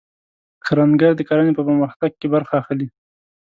کروندګر د کرنې په پرمختګ کې برخه اخلي